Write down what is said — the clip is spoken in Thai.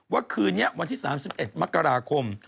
คืนนี้วันที่๓๑มกราคม